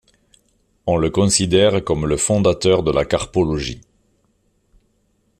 On le considère comme le fondateur de la carpologie.